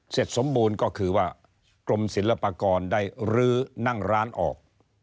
สมบูรณ์ก็คือว่ากรมศิลปากรได้รื้อนั่งร้านออก